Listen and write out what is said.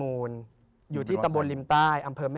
พระพุทธพิบูรณ์ท่านาภิรม